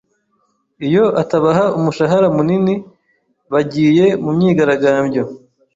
Iyo atabaha umushahara munini, bagiye mu myigaragambyo.